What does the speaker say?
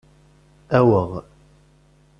Aweɣ!